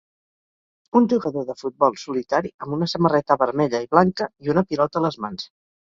un jugador de futbol solitari amb una samarreta vermella i blanca i una pilota a les mans.